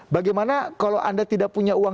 bagaimana kalau anda tidak punya uang